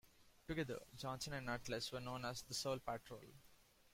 Together, Johnson and Atlas were known as "The Soul Patrol".